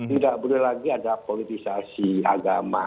tidak boleh lagi ada politisasi agama